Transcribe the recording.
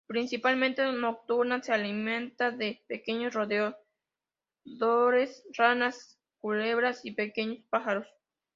Principalmente nocturna, se alimenta de pequeños roedores, ranas, culebras y pequeños pájaros.